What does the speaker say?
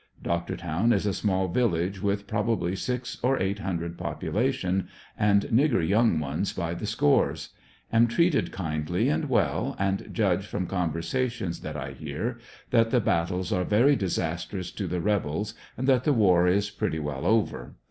Doctor town is a small village with prob ably six or eight hundred population, and nigger young ones by the scores. Am treated kindly and well, and judge from conver sations that I hear, that the battles are very disastrous to the rebels and that the war is pretty well oyer.